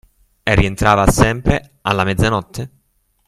E rientrava sempre alla mezzanotte?